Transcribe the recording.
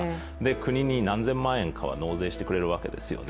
国に何千万円かは納税してくれるわけですよね